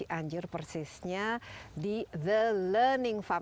yang berpengalaman dengan persisnya di the learning farm